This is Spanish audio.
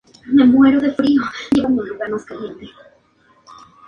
No está considerado un torneo al no haber final ni partido de consolación.